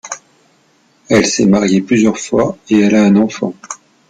Elle s'est mariée plusieurs fois et elle a un enfant.